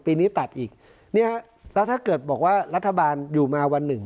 ปีนี้ตัดอีกเนี่ยแล้วถ้าเกิดบอกว่ารัฐบาลอยู่มาวันหนึ่ง